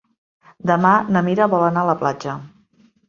Demà na Mira vol anar a la platja.